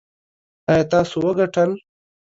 ایا تاسو وګټل؟